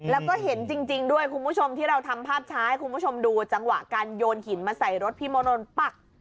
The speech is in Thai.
แล้วก็เห็นจริงด้วยคุณผู้ชมที่เราทำภาพช้าให้คุณผู้ชมดูจังหวะการโยนหินมาใส่รถพี่มนนท์ปัก